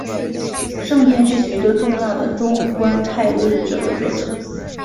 圣天是许多重要的中观派论着的作者。